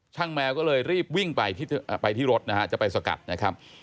แมวก็เลยรีบวิ่งไปที่รถนะฮะจะไปสกัดนะครับ